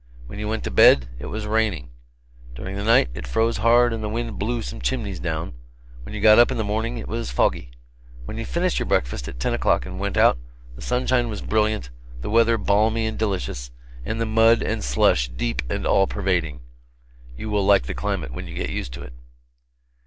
When you went to bed, it was raining. During the night it froze hard, and the wind blew some chimneys down. When you got up in the morning, it was foggy. When you finished your breakfast at ten o'clock and went out, the sunshine was brilliant, the weather balmy and delicious, and the mud and slush deep and all pervading. You will like the climate when you get used to it.